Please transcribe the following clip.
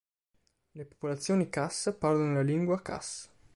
Le popolazioni Khas parlano la lingua Khas.